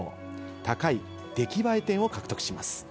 高い出来栄え点を獲得します。